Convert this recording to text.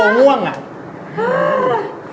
ง่วงอ่ะ